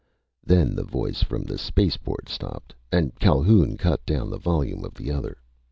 _" Then the voice from the spaceport stopped, and Calhoun cut down the volume of the other.